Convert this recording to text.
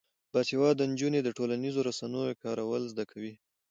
باسواده نجونې د ټولنیزو رسنیو کارول زده کوي.